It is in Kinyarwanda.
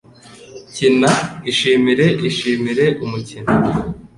Kina. Ishimire. Ishimire umukino